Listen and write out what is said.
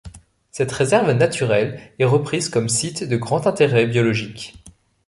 Cette réserve naturelle est reprise comme site de grand intérêt biologique.